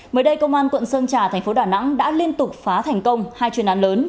mới đây công an quận sơn trà thành phố đà nẵng đã liên tục phá thành công hai chuyên án lớn